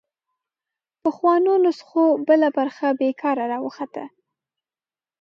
پخوانو نسخو بله برخه بېکاره راوخته